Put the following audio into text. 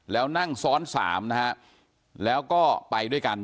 แล้วนั่งซ้อนสามนะฮะแล้วก็ไปด้วยกัน